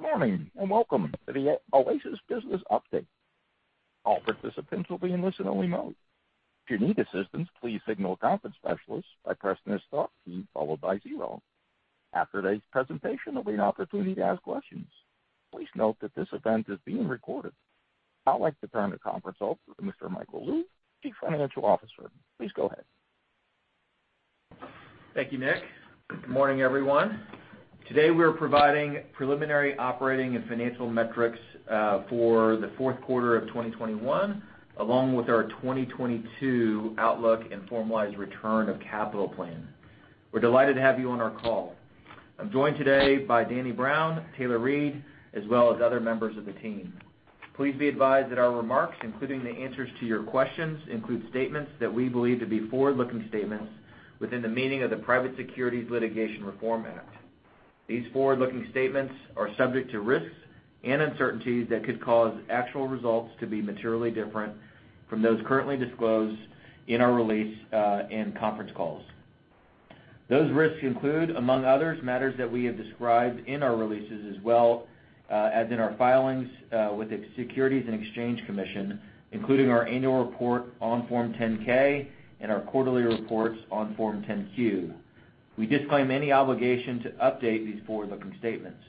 Good morning, and welcome to the Oasis Business Update. All participants will be in listen-only mode. If you need assistance, please signal a conference specialist by pressing the star key followed by zero. After today's presentation, there'll be an opportunity to ask questions. Please note that this event is being recorded. I'd like to turn the conference over to Mr. Michael Lou, Chief Financial Officer. Please go ahead. Thank you, Nick. Good morning, everyone. Today, we are providing preliminary operating and financial metrics for the Q4 of 2021, along with our 2022 outlook and formalized return of capital plan. We're delighted to have you on our call. I'm joined today by Danny Brown, Taylor Reid, as well as other members of the team. Please be advised that our remarks, including the answers to your questions, include statements that we believe to be forward-looking statements within the meaning of the Private Securities Litigation Reform Act. These forward-looking statements are subject to risks and uncertainties that could cause actual results to be materially different from those currently disclosed in our release and conference calls. Those risks include, among others, matters that we have described in our releases as well, as in our filings, with the Securities and Exchange Commission, including our annual report on Form 10-K and our quarterly reports on Form 10-Q. We disclaim any obligation to update these forward-looking statements.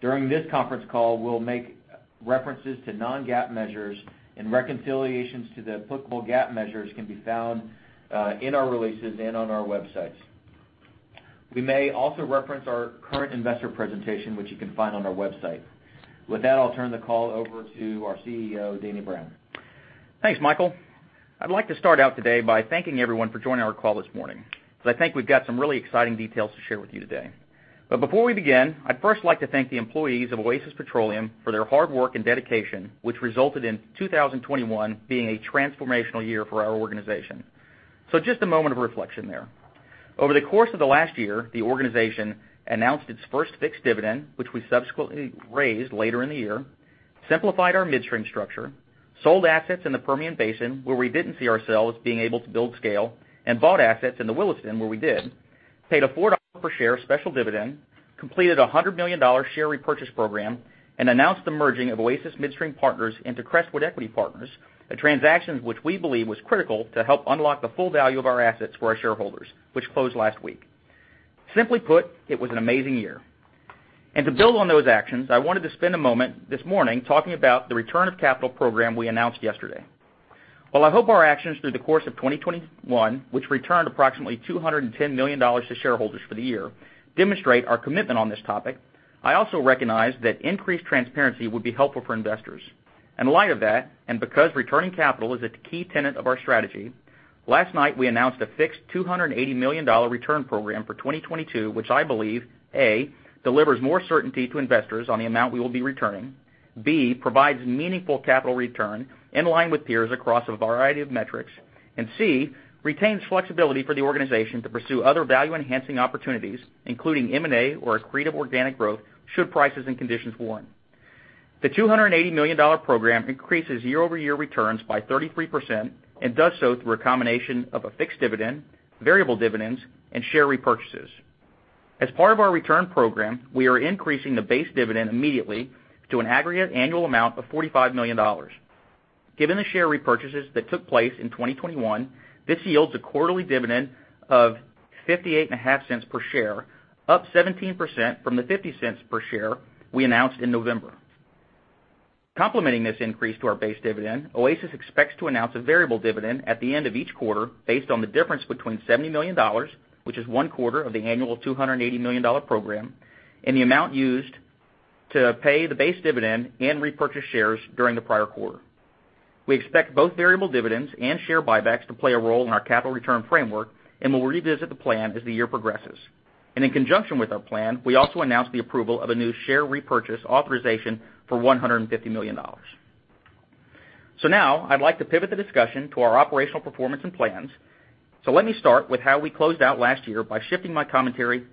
During this conference call, we'll make references to non-GAAP measures and reconciliations to the applicable GAAP measures can be found, in our releases and on our websites. We may also reference our current investor presentation, which you can find on our website. With that, I'll turn the call over to our CEO, Danny Brown. Thanks, Michael. I'd like to start out today by thanking everyone for joining our call this morning, 'cause I think we've got some really exciting details to share with you today. But before we begin, I'd first like to thank the employees of Oasis Petroleum for their hard work and dedication, which resulted in 2021 being a transformational year for our organization. Just a moment of reflection there. Over the course of the last year, the organization announced its first fixed dividend, which we subsequently raised later in the year, simplified our midstream structure, sold assets in the Permian Basin, where we didn't see ourselves being able to build scale, and bought assets in the Williston, where we did, paid a $4 per share special dividend, completed a $100 million share repurchase program, and announced the merging of Oasis Midstream Partners into Crestwood Equity Partners, a transaction which we believe was critical to help unlock the full value of our assets for our shareholders, which closed last week. Simply put, it was an amazing year. To build on those actions, I wanted to spend a moment this morning talking about the return of capital program we announced yesterday. While I hope our actions through the course of 2021, which returned approximately $210 million to shareholders for the year, demonstrate our commitment on this topic, I also recognize that increased transparency would be helpful for investors. In light of that, and because returning capital is a key tenet of our strategy, last night we announced a fixed $280 million dollar return program for 2022, which I believe, A, delivers more certainty to investors on the amount we will be returning, B, provides meaningful capital return in line with peers across a variety of metrics, and C, retains flexibility for the organization to pursue other value-enhancing opportunities, including M&A or accretive organic growth should prices and conditions warrant. The $280 million program increases year-over-year returns by 33% and does so through a combination of a fixed dividend, variable dividends, and share repurchases. As part of our return program, we are increasing the base dividend immediately to an aggregate annual amount of $45 million. Given the share repurchases that took place in 2021, this yields a quarterly dividend of $0.585 per share, up 17% from the $0.50 per share we announced in November. Complementing this increase to our base dividend, Oasis expects to announce a variable dividend at the end of each quarter based on the difference between $70 million, which is Q1 of the annual $280 million program, and the amount used to pay the base dividend and repurchase shares during the prior quarter. We expect both variable dividends and share buybacks to play a role in our capital return framework, and we'll revisit the plan as the year progresses. In conjunction with our plan, we also announced the approval of a new share repurchase authorization for $150 million. Now I'd like to pivot the discussion to our operational performance and plans. Let me start with how we closed out last year by shifting my commentary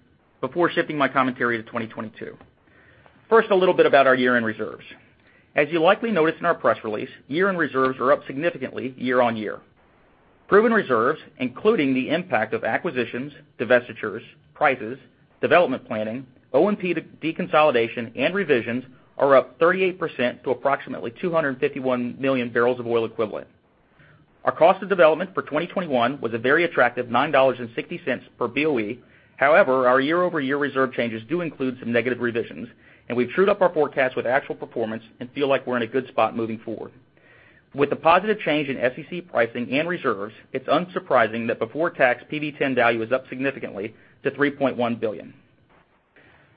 to 2022. First, a little bit about our year-end reserves. As you likely noticed in our press release, year-end reserves are up significantly year-over-year. Proved reserves, including the impact of acquisitions, divestitures, prices, development planning, OMP deconsolidation, and revisions, are up 38% to approximately 251 million barrels of oil equivalent. Our cost of development for 2021 was a very attractive $9.60 per BOE. However, our year-over-year reserve changes do include some negative revisions, and we've trued up our forecast with actual performance and feel like we're in a good spot moving forward. With the positive change in SEC pricing and reserves, it's unsurprising that before tax, PV-10 value is up significantly to $3.1 billion.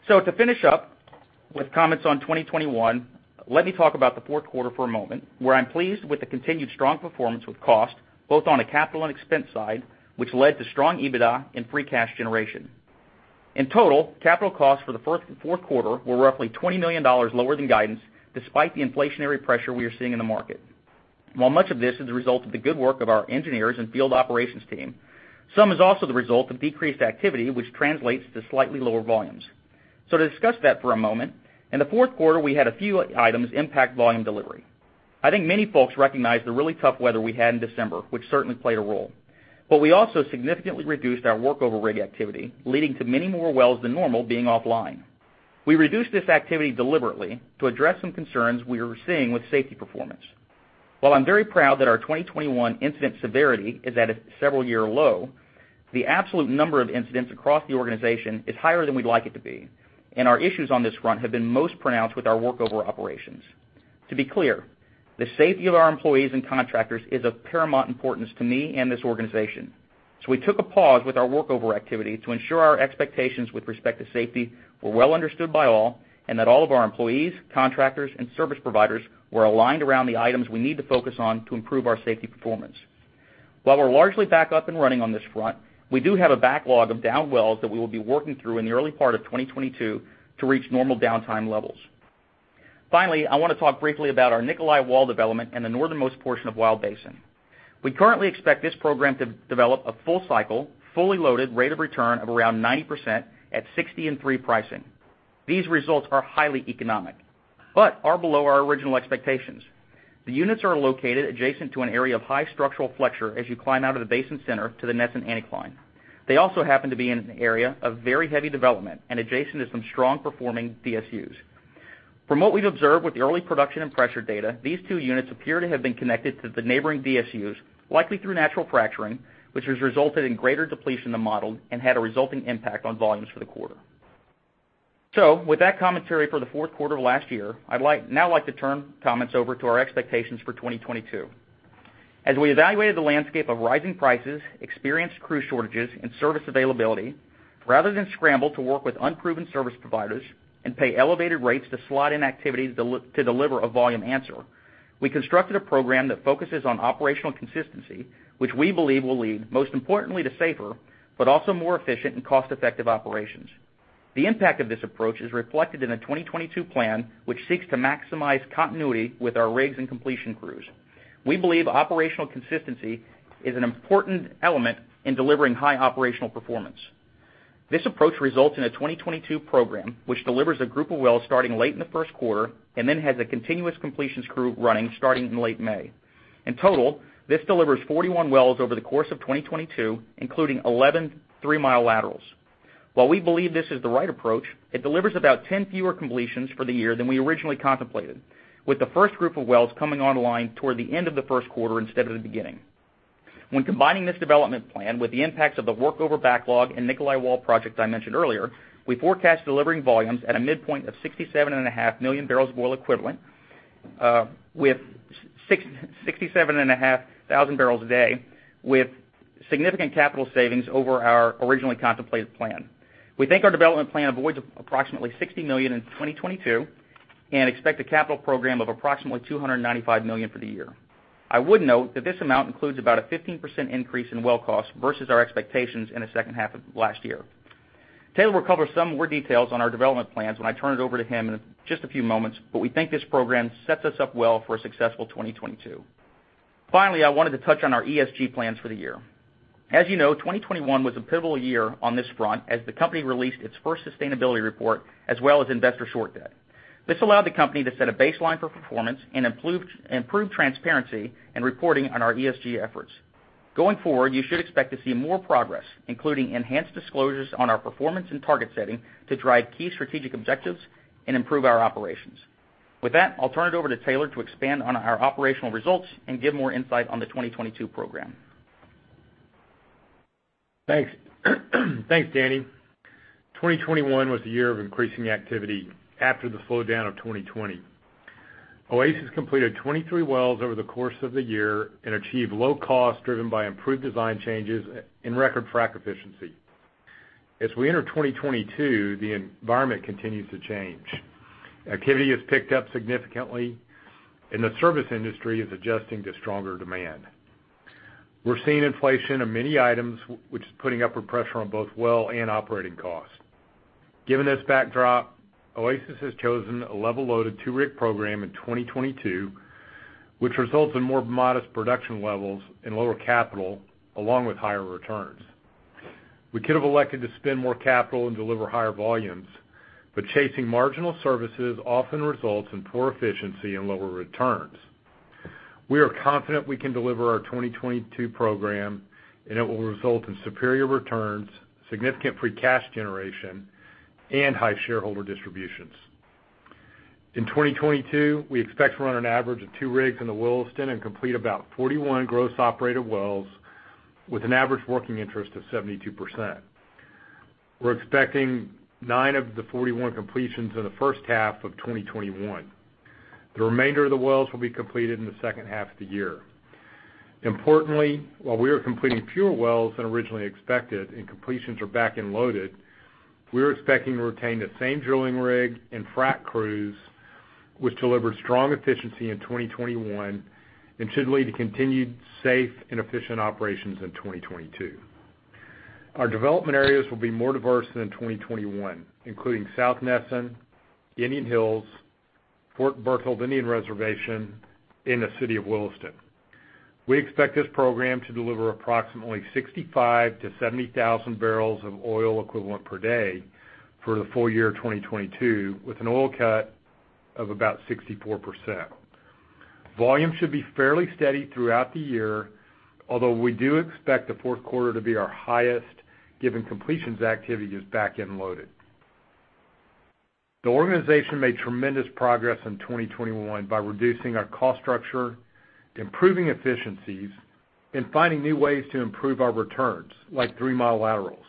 To finish up with comments on 2021, let me talk about the Q4 for a moment, where I'm pleased with the continued strong performance with cost, both on a capital and expense side, which led to strong EBITDA and free cash generation. In total, capital costs for the first and Q4 were roughly $20 million lower than guidance, despite the inflationary pressure we are seeing in the market. While much of this is a result of the good work of our engineers and field operations team, some is also the result of decreased activity which translates to slightly lower volumes. To discuss that for a moment, in the Q4, we had a few items impact volume delivery. I think many folks recognize the really tough weather we had in December, which certainly played a role. We also significantly reduced our workover rig activity, leading to many more wells than normal being offline. We reduced this activity deliberately to address some concerns we were seeing with safety performance. While I'm very proud that our 2021 incident severity is at a several-year low, the absolute number of incidents across the organization is higher than we'd like it to be, and our issues on this front have been most pronounced with our workover operations. To be clear, the safety of our employees and contractors is of paramount importance to me and this organization, so we took a pause with our workover activity to ensure our expectations with respect to safety were well understood by all, and that all of our employees, contractors, and service providers were aligned around the items we need to focus on to improve our safety performance. While we're largely back up and running on this front, we do have a backlog of down wells that we will be working through in the early part of 2022 to reach normal downtime levels. Finally, I wanna talk briefly about our Nicolai Wall development in the northernmost portion of Wild Basin. We currently expect this program to develop a full cycle, fully loaded rate of return of around 90% at $60 and $3 pricing. These results are highly economic, but are below our original expectations. The units are located adjacent to an area of high structural flexure as you climb out of the basin center to the Nesson Anticline. They also happen to be in an area of very heavy development and adjacent to some strong-performing DSUs. From what we've observed with the early production and pressure data, these two units appear to have been connected to the neighboring DSUs, likely through natural fracturing, which has resulted in greater depletion than modeled and had a resulting impact on volumes for the quarter. With that commentary for the Q4 of last year, I'd like to turn comments over to our expectations for 2022. As we evaluated the landscape of rising prices, experienced crew shortages, and service availability, rather than scramble to work with unproven service providers and pay elevated rates to slot in activities to deliver a volume answer, we constructed a program that focuses on operational consistency, which we believe will lead, most importantly, to safer, but also more efficient and cost-effective operations. The impact of this approach is reflected in a 2022 plan which seeks to maximize continuity with our rigs and completion crews. We believe operational consistency is an important element in delivering high operational performance. This approach results in a 2022 program, which delivers a group of wells starting late in the Q1 and then has a continuous completions crew running starting in late May. In total, this delivers 41 wells over the course of 2022, including 11 three-mile laterals. While we believe this is the right approach, it delivers about 10 fewer completions for the year than we originally contemplated, with the first group of wells coming online toward the end of the Q1 instead of the beginning. When combining this development plan with the impacts of the workover backlog and Nicolai Wall project I mentioned earlier, we forecast delivering volumes at a midpoint of 67.5 million barrels of oil equivalent, with 67.5 thousand barrels a day with significant capital savings over our originally contemplated plan. We think our development plan avoids approximately $60 million in 2022 and expect a capital program of approximately $295 million for the year. I would note that this amount includes about a 15% increase in well costs versus our expectations in the second half of last year. Taylor will cover some more details on our development plans when I turn it over to him in just a few moments, but we think this program sets us up well for a successful 2022. Finally, I wanted to touch on our ESG plans for the year. As you know, 2021 was a pivotal year on this front as the company released its first sustainability report as well as investor short deck. This allowed the company to set a baseline for performance and improve transparency and reporting on our ESG efforts. Going forward, you should expect to see more progress, including enhanced disclosures on our performance and target setting to drive key strategic objectives and improve our operations. With that, I'll turn it over to Taylor to expand on our operational results and give more insight on the 2022 program. Thanks. Thanks, Danny. 2021 was a year of increasing activity after the slowdown of 2020. Oasis completed 23 wells over the course of the year and achieved low costs driven by improved design changes and record frack efficiency. As we enter 2022, the environment continues to change. Activity has picked up significantly, and the service industry is adjusting to stronger demand. We're seeing inflation of many items, which is putting upward pressure on both well and operating costs. Given this backdrop, Oasis has chosen a level loaded 2-rig program in 2022, which results in more modest production levels and lower capital, along with higher returns. We could have elected to spend more capital and deliver higher volumes, but chasing marginal services often results in poor efficiency and lower returns. We are confident we can deliver our 2022 program, and it will result in superior returns, significant free cash generation, and high shareholder distributions. In 2022, we expect to run an average of 2 rigs in the Williston and complete about 41 gross operated wells with an average working interest of 72%. We're expecting 9 of the 41 completions in the first half of 2021. The remainder of the wells will be completed in the second half of the year. Importantly, while we are completing fewer wells than originally expected and completions are back-end loaded, we are expecting to retain the same drilling rig and frack crews, which delivered strong efficiency in 2021 and should lead to continued safe and efficient operations in 2022. Our development areas will be more diverse than in 2021, including South Nesson, Indian Hills, Fort Berthold Indian Reservation, and the city of Williston. We expect this program to deliver approximately 65,000-70,000 barrels of oil equivalent per day for the full year 2022, with an oil cut of about 64%. Volume should be fairly steady throughout the year, although we do expect the Q4 to be our highest, given completions activity is back-end loaded. The organization made tremendous progress in 2021 by reducing our cost structure, improving efficiencies, and finding new ways to improve our returns, like 3-mile laterals.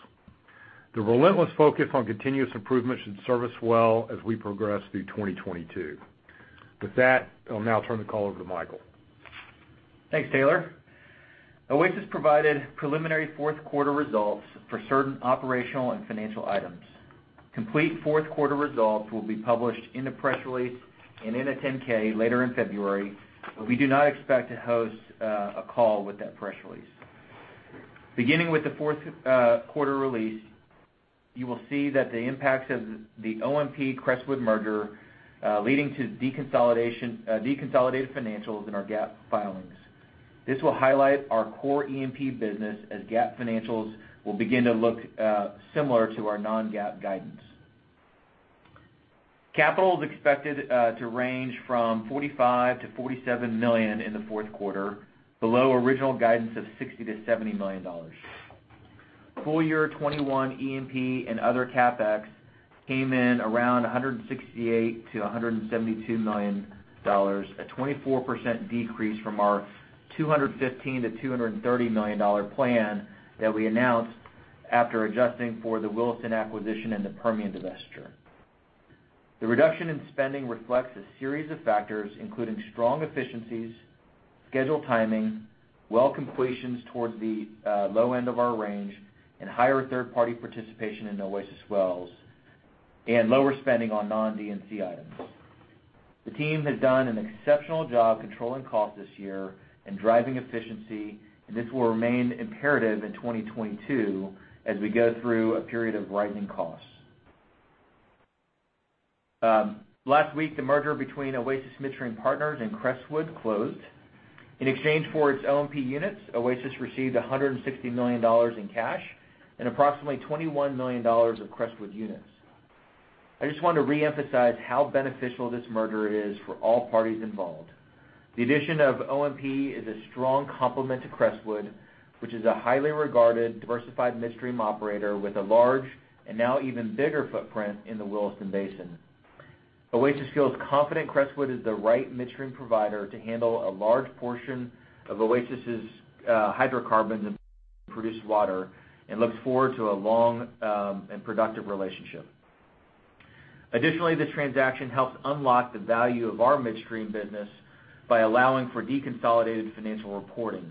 The relentless focus on continuous improvement should serve us well as we progress through 2022. With that, I'll now turn the call over to Michael. Thanks, Taylor. Oasis provided preliminary Q4 results for certain operational and financial items. Complete Q4 results will be published in the press release and in a 10-K later in February, but we do not expect to host a call with that press release. Beginning with the Q4 release, you will see that the impacts of the OMP Crestwood merger leading to deconsolidation, deconsolidated financials in our GAAP filings. This will highlight our core E&P business as GAAP financials will begin to look similar to our non-GAAP guidance. CapEx is expected to range from $45 million-$47 million in the Q4, below original guidance of $60 million-$70 million. Full year 2021 E&P and other CapEx came in around $168 million-$172 million, a 24% decrease from our $215 million-$230 million-dollar plan that we announced after adjusting for the Williston acquisition and the Permian divestiture. The reduction in spending reflects a series of factors, including strong efficiencies, schedule timing, well completions towards the low end of our range, and higher third-party participation in Oasis wells, and lower spending on non-D&C items. The team has done an exceptional job controlling cost this year and driving efficiency, and this will remain imperative in 2022 as we go through a period of rising costs. Last week, the merger between Oasis Midstream Partners and Crestwood closed. In exchange for its OMP units, Oasis received $160 million in cash and approximately $21 million of Crestwood units. I just want to reemphasize how beneficial this merger is for all parties involved. The addition of OMP is a strong complement to Crestwood, which is a highly regarded, diversified midstream operator with a large and now even bigger footprint in the Williston Basin. Oasis feels confident Crestwood is the right midstream provider to handle a large portion of Oasis's hydrocarbons and produced water and looks forward to a long and productive relationship. Additionally, this transaction helps unlock the value of our midstream business by allowing for deconsolidated financial reporting.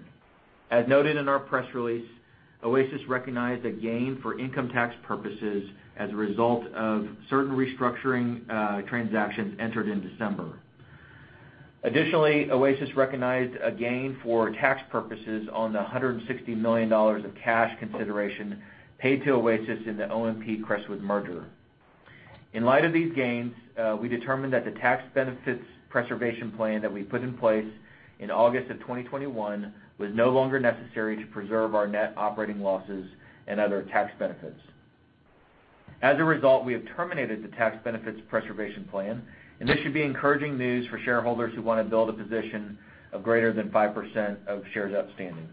As noted in our press release, Oasis recognized a gain for income tax purposes as a result of certain restructuring transactions entered in December. Additionally, Oasis recognized a gain for tax purposes on the $160 million of cash consideration paid to Oasis in the OMP Crestwood merger. In light of these gains, we determined that the tax benefits preservation plan that we put in place in August of 2021 was no longer necessary to preserve our net operating losses and other tax benefits. As a result, we have terminated the tax benefits preservation plan, and this should be encouraging news for shareholders who wanna build a position of greater than 5% of shares outstanding.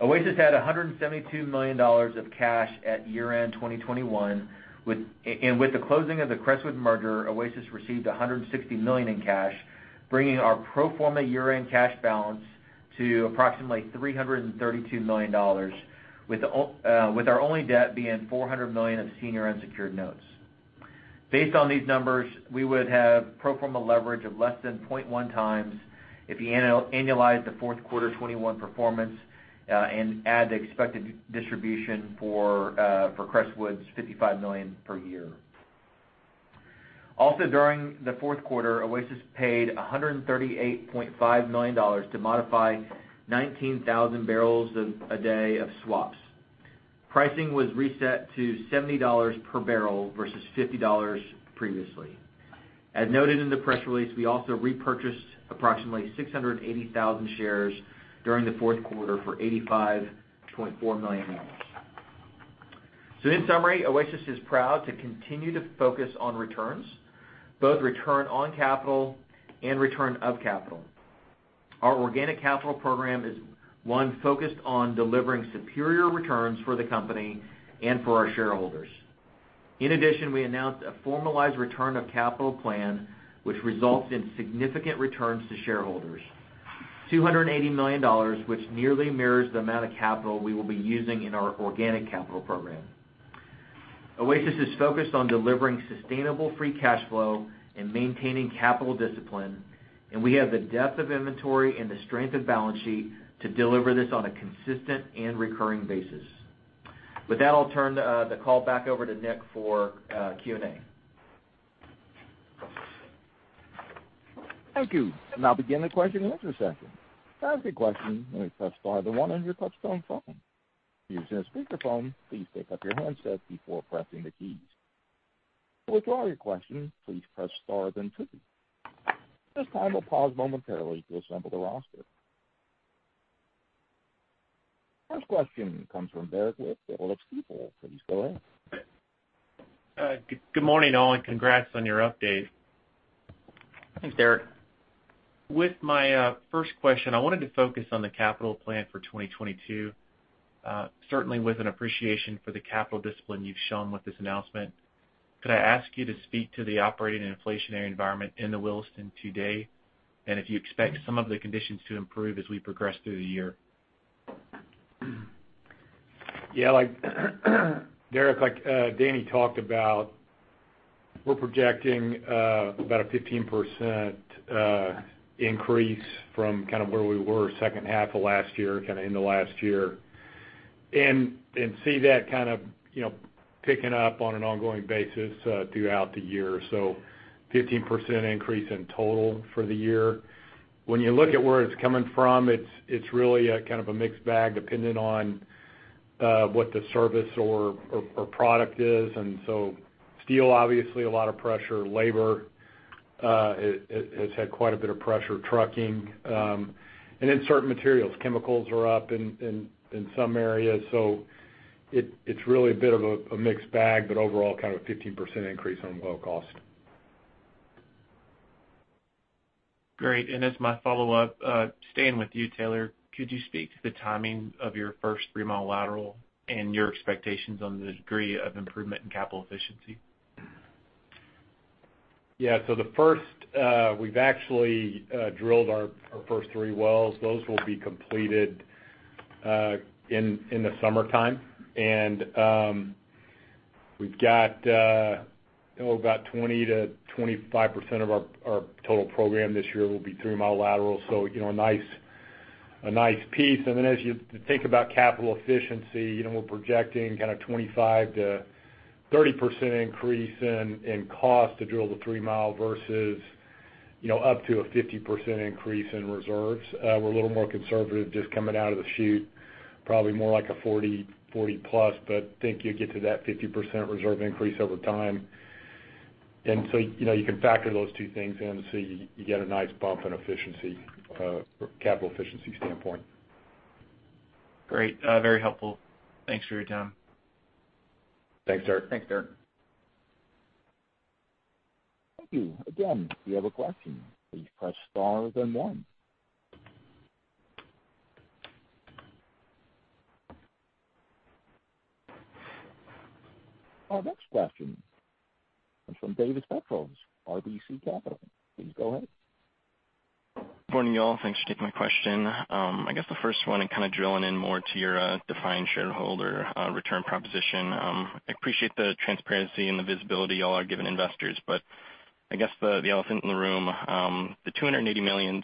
Oasis had a $172 million of cash at year-end 2021. With the closing of the Crestwood merger, Oasis received $160 million in cash, bringing our pro forma year-end cash balance to approximately $332 million, with our only debt being $400 million of senior unsecured notes. Based on these numbers, we would have pro forma leverage of less than 0.1x if you annualize the Q4 2021 performance, and add the expected distribution for Crestwood's $55 million per year. Also, during the Q4, Oasis paid $138.5 million to modify 19,000 barrels a day of swaps. Pricing was reset to $70 per barrel versus $50 previously. As noted in the press release, we also repurchased approximately 600,000 shares during the Q4 for $85.4 million. In summary, Oasis is proud to continue to focus on returns, both return on capital and return of capital. Our organic capital program is one focused on delivering superior returns for the company and for our shareholders. In addition, we announced a formalized return of capital plan, which results in significant returns to shareholders. $280 million, which nearly mirrors the amount of capital we will be using in our organic capital program. Oasis is focused on delivering sustainable free cash flow and maintaining capital discipline, and we have the depth of inventory and the strength of balance sheet to deliver this on a consistent and recurring basis. With that, I'll turn the call back over to Nick for Q&A. Thank you. We'll now begin the question and answer session. To ask question, you may press star 1 on your telephone, to use the speakerphone, please pick up your handset before pressing the keys. To withdraw your question, please press star then 2. At this time, we'll pause momentarily to assemble the roster. First question comes from Derrick Whitfield at Stifel. Please go ahead. Good morning, all, and congrats on your update. Thanks, Derrick. With my first question, I wanted to focus on the capital plan for 2022. Certainly with an appreciation for the capital discipline you've shown with this announcement, could I ask you to speak to the operating and inflationary environment in the Williston today, and if you expect some of the conditions to improve as we progress through the year? Yeah, like, Derrick, like, Danny talked about, we're projecting about a 15% increase from kind of where we were second half of last year, kinda in the last year. See that kind of, you know, picking up on an ongoing basis throughout the year. 15% increase in total for the year. When you look at where it's coming from, it's really kind of a mixed bag depending on what the service or product is. Steel, obviously a lot of pressure. Labor, it has had quite a bit of pressure. Trucking, and then certain materials. Chemicals are up in some areas. It's really a bit of a mixed bag, but overall kind of a 15% increase on well cost. Great. As my follow-up, staying with you, Taylor, could you speak to the timing of your first three-mile lateral and your expectations on the degree of improvement in capital efficiency? Yeah. The first, we've actually drilled our first three wells. Those will be completed in the summertime. We've got, you know, about 20-25% of our total program this year will be 3-mile laterals, so, you know, a nice piece. Then as you think about capital efficiency, you know, we're projecting kind of 25%-30% increase in cost to drill the 3-mile versus, you know, up to a 50% increase in reserves. We're a little more conservative just coming out of the chute, probably more like a 40+, but think you'd get to that 50% reserve increase over time. You know, you can factor those two things in, so you get a nice bump in efficiency or capital efficiency standpoint. Great. Very helpful. Thanks for your time. Thanks, Derrick. Thanks, Derrick. Thank you. Again, if you have a question, please press star then 1. Our next question is from David Steinfeld, RBC Capital. Please go ahead. Morning, y'all. Thanks for taking my question. I guess the first one and kinda drilling in more to your defined shareholder return proposition. I appreciate the transparency and the visibility y'all are giving investors, but I guess the elephant in the room, the $280 million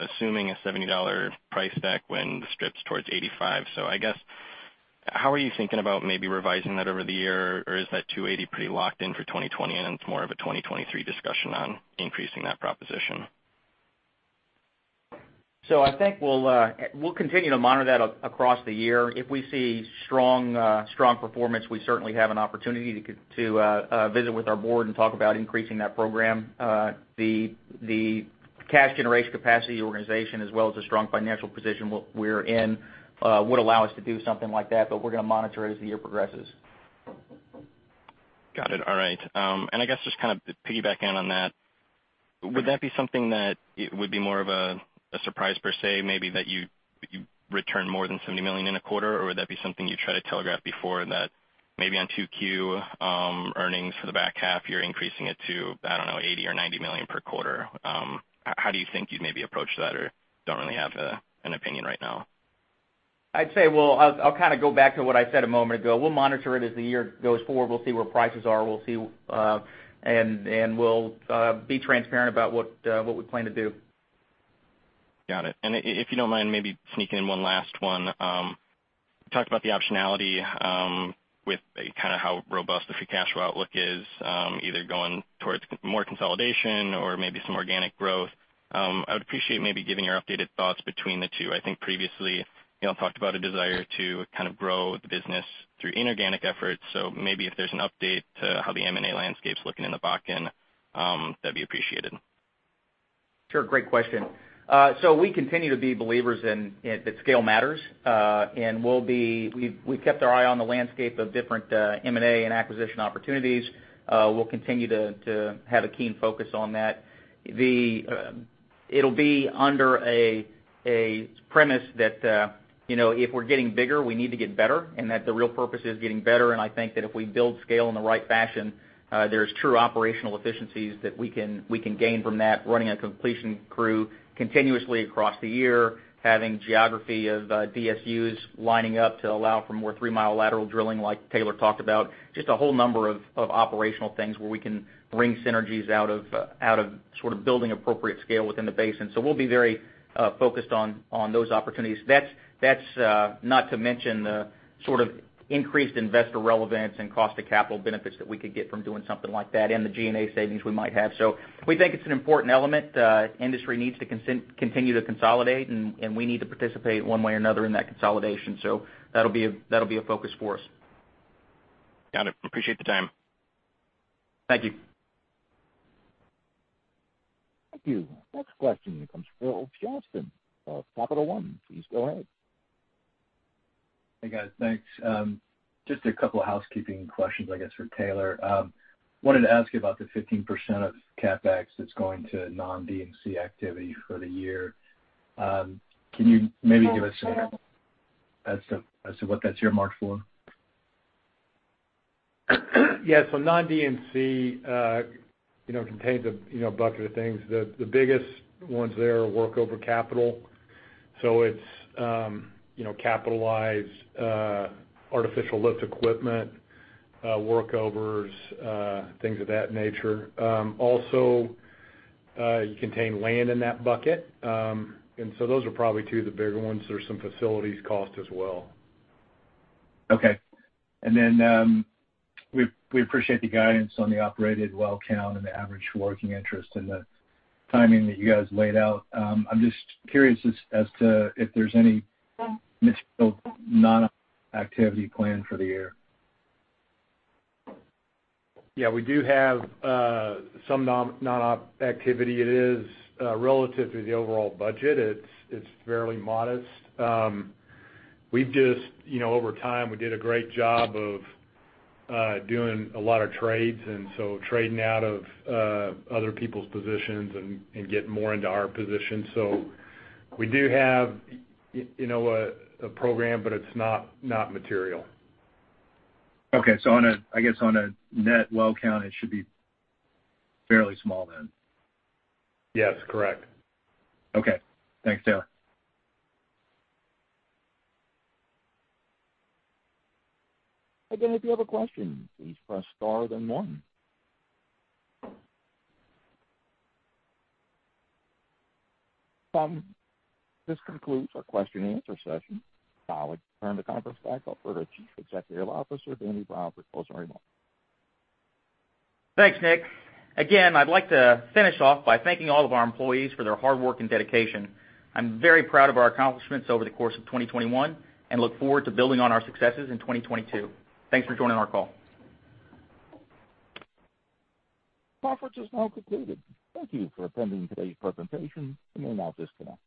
assuming a $70 price deck when the strip's towards $85. I guess how are you thinking about maybe revising that over the year, or is that $280 pretty locked in for 2020, and it's more of a 2023 discussion on increasing that proposition? I think we'll continue to monitor that across the year. If we see strong performance, we certainly have an opportunity to visit with our board and talk about increasing that program. The cash generation capacity of our organization as well as the strong financial position we're in would allow us to do something like that, but we're gonna monitor as the year progresses. Got it. All right. I guess just kind of to piggyback in on that, would that be something that it would be more of a surprise per se maybe that you'd return more than $70 million in a quarter, or would that be something you try to telegraph before that maybe on 2Q earnings for the back half, you're increasing it to, I don't know, $80 or $90 million per quarter? How do you think you'd maybe approach that, or don't really have an opinion right now? I'd say, well, I'll kind of go back to what I said a moment ago. We'll monitor it as the year goes forward. We'll see where prices are. We'll see, and we'll be transparent about what we plan to do. Got it. If you don't mind, maybe sneaking in one last one. Talked about the optionality with kind of how robust the free cash flow outlook is, either going towards more consolidation or maybe some organic growth. I would appreciate maybe giving your updated thoughts between the two. I think previously, you know, talked about a desire to kind of grow the business through inorganic efforts. Maybe if there's an update to how the M&A landscape's looking in the Bakken, that'd be appreciated. Sure. Great question. We continue to be believers in, you know, that scale matters. We've kept our eye on the landscape of different M&A and acquisition opportunities. We'll continue to have a keen focus on that. It'll be under a premise that, you know, if we're getting bigger, we need to get better, and that the real purpose is getting better. I think that if we build scale in the right fashion, there's true operational efficiencies that we can gain from that, running a completion crew continuously across the year, having geography of DSUs lining up to allow for more three-mile lateral drilling like Taylor talked about. Just a whole number of operational things where we can bring synergies out of sort of building appropriate scale within the basin. We'll be very focused on those opportunities. That's not to mention the sort of increased investor relevance and cost of capital benefits that we could get from doing something like that and the G&A savings we might have. We think it's an important element. Industry needs to continue to consolidate and we need to participate one way or another in that consolidation. That'll be a focus for us. Got it. Appreciate the time. Thank you. Thank you. Next question comes from Will Justin of Capital One. Please go ahead. Hey, guys. Thanks. Just a couple of housekeeping questions, I guess, for Taylor. Wanted to ask you about the 15% of CapEx that's going to non-D&C activity for the year. Can you maybe give us a sense as to what that's earmarked for? Yeah. Non-D&C, you know, contains a bucket of things. The biggest ones there are workover capital, so it's, you know, capitalized artificial lift equipment, workovers, things of that nature. Also, it contains land in that bucket. Those are probably two of the bigger ones. There are some facilities costs as well. Okay. We appreciate the guidance on the operated well count and the average working interest and the timing that you guys laid out. I'm just curious as to if there's any non-op activity plan for the year. Yeah, we do have some non-op activity. It is relative to the overall budget. It's fairly modest. We've just, you know, over time, we did a great job of doing a lot of trades, and so trading out of other people's positions and getting more into our position. We do have, you know, a program, but it's not material. I guess, on a net well count, it should be fairly small then. Yes. Correct. Okay. Thanks, Taylor. Again, if you have a question, please press star then one. This concludes our question and answer session. Now I would turn the conference back over to Chief Executive Officer, Danny Brown, for closing remarks. Thanks, Nick. Again, I'd like to finish off by thanking all of our employees for their hard work and dedication. I'm very proud of our accomplishments over the course of 2021 and look forward to building on our successes in 2022. Thanks for joining our call. Conference is now concluded. Thank you for attending today's presentation. You may now disconnect.